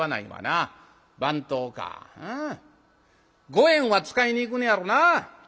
五円は使いに行くのやろなぁ。